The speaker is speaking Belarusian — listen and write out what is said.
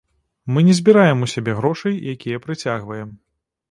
Мы не збіраем у сябе грошай, якія прыцягваем.